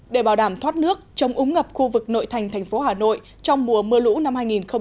để bảo đảm thoát nước trong úng ngập khu vực nội thành thành phố hà nội trong mùa mưa lũ năm hai nghìn một mươi chín